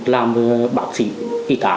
làm bác sĩ y tá